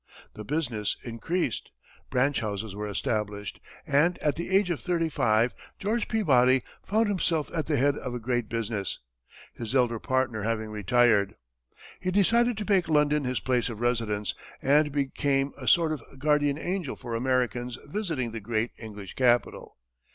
The business increased, branch houses were established, and at the age of thirty five, George Peabody found himself at the head of a great business, his elder partner having retired. He decided to make London his place of residence, and became a sort of guardian angel for Americans visiting the great English capital.